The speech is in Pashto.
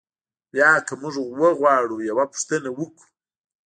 بیا که موږ وغواړو یوه پوښتنه وکړو.